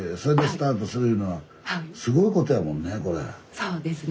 そうですね。